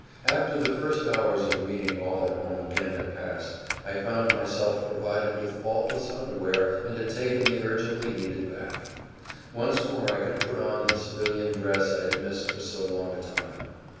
After the first hours of meeting all at home again had passed I found myself provided with faultless underwear and had taken the urgently needed bath. Once more I could put on the civilian dress I had missed for so long a time.